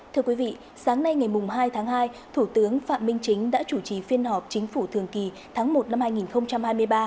thưa quý vị sáng nay ngày hai tháng hai thủ tướng phạm minh chính đã chủ trì phiên họp chính phủ thường kỳ tháng một năm hai nghìn hai mươi ba